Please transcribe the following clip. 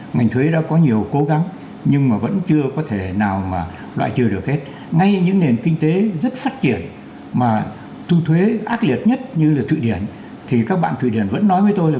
ngành thuế đã có nhiều cố gắng nhưng mà vẫn chưa có thể nào mà loại trừ được hết ngay những nền kinh tế rất phát triển mà thu thuế ác liệt nhất như là thụy điển thì các bạn thụy điển vẫn nói với tôi là